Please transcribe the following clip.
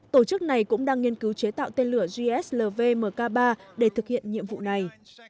tổ chức này cũng đang nghiên cứu chế tạo tên lửa gslv mk ba để thực hiện nhiệm vụ này